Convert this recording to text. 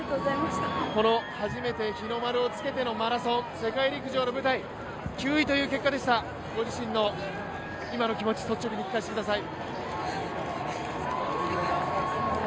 初めて日の丸をつけてのマラソン世界陸上の舞台９位という結果でしたご自身の今の気持ち率直に聞かせてください。